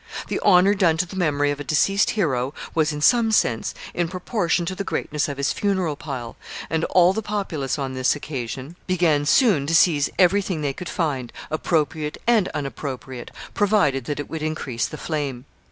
The honor done to the memory of a deceased hero was, in some sense, in proportion to the greatness of his funeral pile, and all the populace on this occasion began soon to seize every thing they could find, appropriate and unappropriate, provided that it would increase the flame.